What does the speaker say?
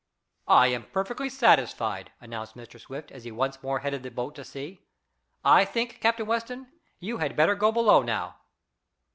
"I am perfectly satisfied," announced Mr. Swift as he once more headed the boat to sea. "I think, Captain Weston, you had better go below now."